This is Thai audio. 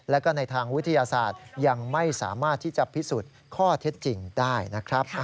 แล้วก็ในทางวิทยาศาสตร์ยังไม่สามารถที่จะพิสูจน์ข้อเท็จจริงได้นะครับ